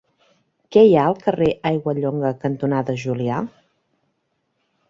Què hi ha al carrer Aiguallonga cantonada Julià?